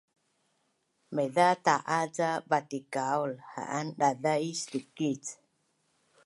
Maiza ta’a ca batikaul ha’an daza’is lukic